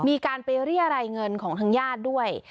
มีการไปเรียรายเงินของทางญาติด้วย